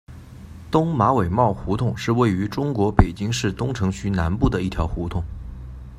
东马尾帽胡同是位于中国北京市东城区南部的一条胡同。